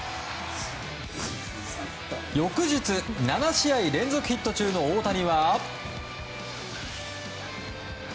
翌日、７試合連続ヒット中の大谷は。